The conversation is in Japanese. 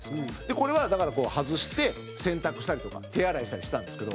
これは、だから、こう、外して洗濯したりとか手洗いしたりしてたんですけど。